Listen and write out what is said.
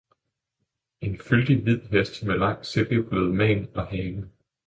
en fyldig hvid hest med lang, silkeblød man og hale